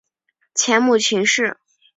前母秦氏。